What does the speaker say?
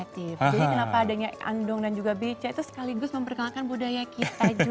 jadi kenapa adanya andong dan juga becak itu sekaligus memperkenalkan budaya kita juga ya